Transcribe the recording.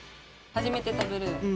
初めて食べる！